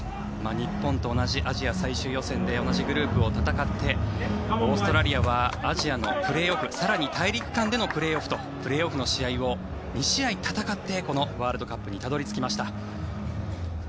日本と同じアジア最終予選で同じグループを戦ってオーストラリアはアジアのプレーオフ更に大陸間でのプレーオフとプレーオフの試合を２試合戦ってこのワールドカップにたどり着きました。